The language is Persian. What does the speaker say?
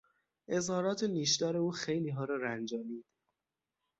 اظهارات نیشدار او خیلیها را رنجانید.